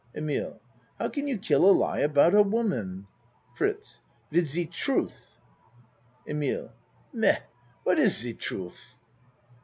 EMILE How can you kill a lie about a woman? FRITZ Wid de truth. EMILE Mais! What is ze truth?